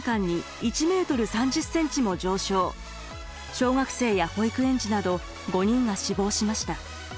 小学生や保育園児など５人が死亡しました。